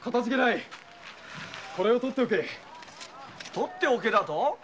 取っておけだと？